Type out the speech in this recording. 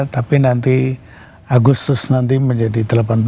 tapi nanti agustus nanti menjadi delapan belas